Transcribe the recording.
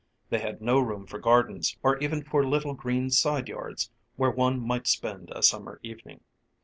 They had no room for gardens or even for little green side yards where one might spend a summer evening.